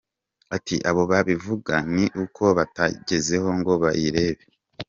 Ati “Abo babivuga ni uko batayigezeho ngo bayirebe.